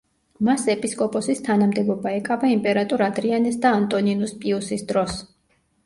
მას ეპისკოპოსის თანამდებობა ეკავა იმპერატორ ადრიანეს და ანტონინუს პიუსის დროს.